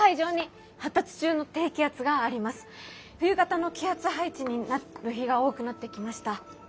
冬型の気圧配置になる日が多くなってきました。